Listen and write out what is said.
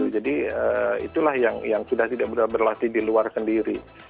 jadi itulah yang sudah tidak berlatih di luar sendiri